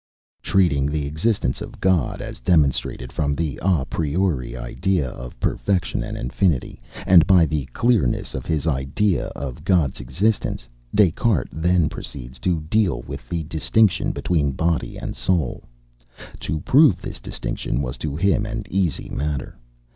Treating the existence of God as demonstrated from the a priori idea of perfection and infinity, and by the clearness of his idea of God's existence, Des Cartes then proceeds to deal with the distinction between body and soul. To prove this distinction was to him an easy matter.